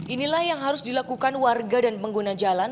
inilah yang harus dilakukan warga dan pengguna jalan